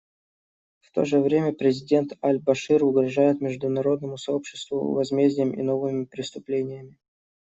В то же время президент Аль-Башир угрожает международному сообществу возмездием и новыми преступлениями.